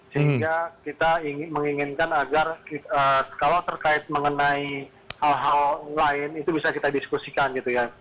sehingga kita menginginkan agar kalau terkait mengenai hal hal lain itu bisa kita diskusikan gitu ya